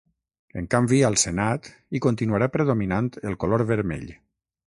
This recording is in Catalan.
En canvi, al senat hi continuarà predominant el color vermell.